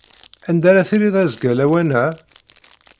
Anda ara tiliḍ azekka lawan-a?